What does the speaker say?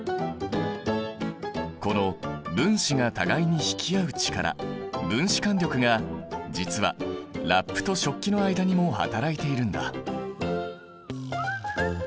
この分子が互いに引き合う力分子間力が実はラップと食器の間にもはたらいているんだ。